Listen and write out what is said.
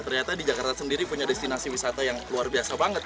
ternyata di jakarta sendiri punya destinasi wisata yang luar biasa banget